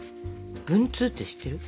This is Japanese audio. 文通って知ってる？